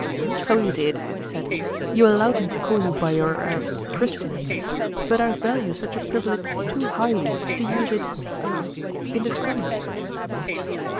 " So you did !" he said. " You allowed me to call you by your er Christian name ; but I value such a privilege too highly to use it er indiscriminately."